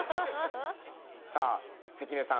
さあ関根さん